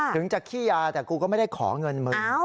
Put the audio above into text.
ถึงจะขี้ยาแต่กูก็ไม่ได้ขอเงินมึง